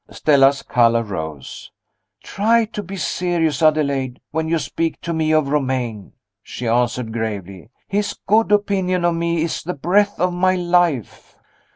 Stella's color rose. "Try to be serious, Adelaide, when you speak to me of Romayne," she answered, gravely. "His good opinion of me is the breath of my life."